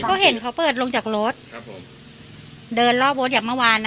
ก็เห็นเขาเปิดลงจากรถครับผมเดินรอบรถอย่างเมื่อวานนะ